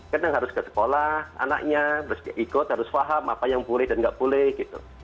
karena harus ke sekolah anaknya harus ikut harus paham apa yang boleh dan tidak boleh gitu